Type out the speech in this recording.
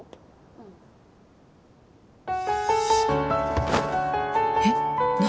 うんえっ何？